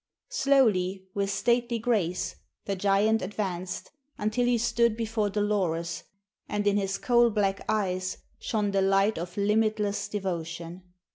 Slowly, with stately grace, the giant advanced until he stood before Dolores, and in his coal black eyes shone the light of limitless devotion.